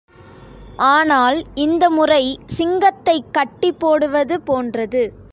ஆனால் இந்த முறை சிங்கத்தைக் கட்டிப் போடுவது போன்றது.